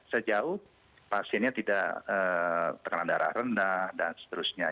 sejauh pasiennya tidak tekanan darah rendah dan seterusnya